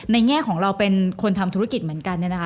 แง่ของเราเป็นคนทำธุรกิจเหมือนกัน